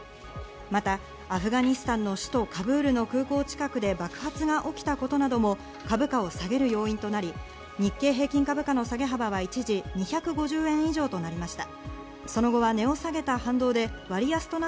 またアフガニスタンの首都・カブールの空港近くで爆発が起きたことなども株価を下げる要因となり、日経平均株価の下げ幅は一時２５０円以上となりました。